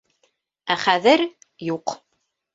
Ә хәҙер - юҡ.